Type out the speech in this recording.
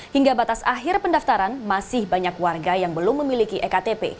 hingga batas akhir pendaftaran masih banyak warga yang belum memiliki ektp